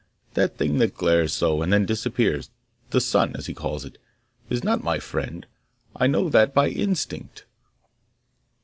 That thing that glares so, and then disappears, the sun, as he calls it, is not my friend. I know that by instinct.